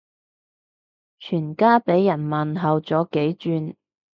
全家俾人問候咗幾轉